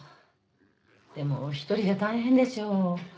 でも１人じゃ大変でしょう。